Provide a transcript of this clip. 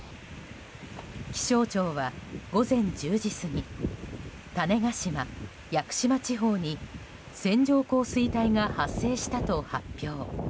気象庁は午前１０時過ぎ種子島・屋久島地方に線状降水帯が発生したと発表。